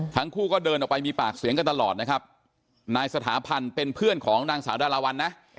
ทั้งคู่ก็เดินออกไปมีปากเสียงกันตลอดนะครับนายสถาพันธ์เป็นเพื่อนของนางสาวดาราวันนะ